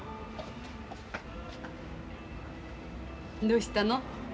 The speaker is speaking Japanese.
どうしたの？